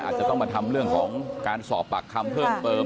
อาจจะต้องมาทำเรื่องของการสอบปากคำเพิ่มเติม